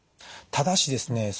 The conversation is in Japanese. ただしですね